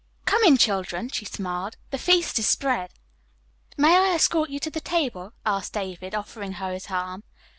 "Come, children," she smiled, "the feast is spread." "May I escort you to the table?" asked David gravely, offering her his arm.